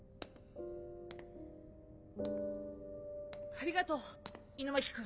ありがとう狗巻君。